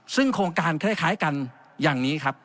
ซึ่งโครงการคล้ายกันอย่างนี้ครับ